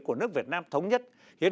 của nước việt nam thống nhất